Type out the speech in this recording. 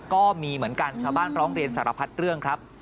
ก็มีเหมือนกันชาวบ้านร้องเรียนสารพัดเรื่องครับ